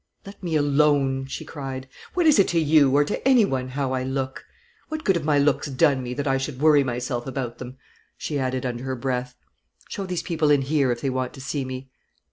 "Let me alone!" she cried. "What is it to you, or to any one, how I look? What good have my looks done me, that I should worry myself about them?" she added, under her breath. "Show these people in here, if they want to see me."